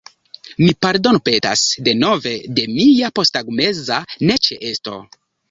Mi pardonpetas, denove, de mia posttagmeza neĉeesto.